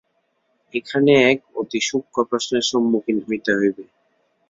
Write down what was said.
এখানে এক অতি সূক্ষ্ম প্রশ্নের সম্মুখীন হইতে হইবে।